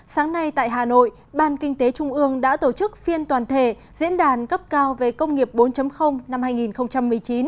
sáng nay tại hà nội ban kinh tế trung ương đã tổ chức phiên toàn thể diễn đàn cấp cao về công nghiệp bốn năm hai nghìn một mươi chín